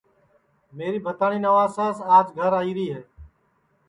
میری بھتاٹؔی نواساس آج گھر آئی ہے